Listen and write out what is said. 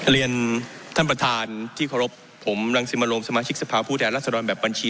เรียนท่านประทานที่ขอรบผมรังสินบะโลมสมาชิกสภาพปูแทนรัฐสดอลแบบบัญชี